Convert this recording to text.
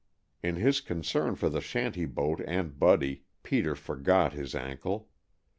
In his concern for the shanty boat and Buddy, Peter forgot his ankle.